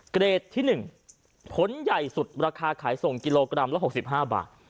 เกรดที่๑ผลใหญ่สุดราคาขายส่งกิโลกรัมละ๖๕บาท